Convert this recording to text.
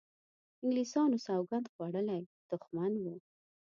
انګلیسیانو سوګند خوړولی دښمن وو.